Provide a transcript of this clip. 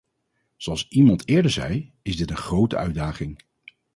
Zoals iemand eerder zei, is dit een grote uitdaging.